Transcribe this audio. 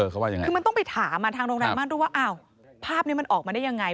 คือมันต้องไปถามทางโรงแรมม่านรูดว่าอ้าวภาพนี้มันออกมาได้ยังไง